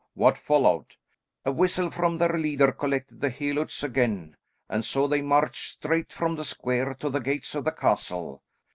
What followed?" "A whistle from their leader collected his helots again, and so they marched straight from the square to the gates of the castle.